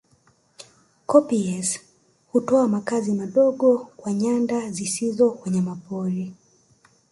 Koppies hutoa makazi madogo kwa nyanda zisizo wanyamapori